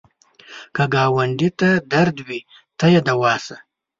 که ګاونډي ته درد وي، ته یې دوا شه